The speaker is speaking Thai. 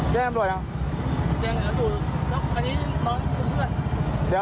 แจ้งน้ำรวดอ่ะแจ้งน้ำรวดแล้วกันนี้น้องเพื่อน